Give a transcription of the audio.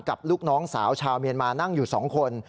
ลูกน้องสาวชาวเมียนมานั่งอยู่๒คน